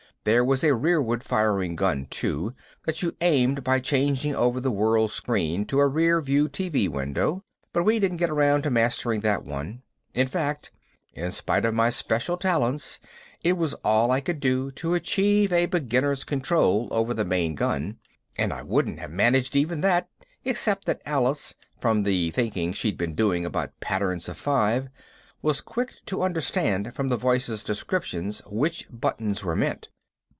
There was a rearward firing gun too, that you aimed by changing over the World Screen to a rear view TV window, but we didn't get around to mastering that one. In fact, in spite of my special talents it was all I could do to achieve a beginner's control over the main gun, and I wouldn't have managed even that except that Alice, from the thinking she'd been doing about patterns of five, was quick at understanding from the voice's descriptions which buttons were meant.